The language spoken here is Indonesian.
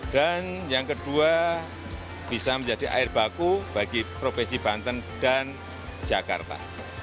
dan yang kedua bisa menjadi air baku bagi provinsi banten dan jakarta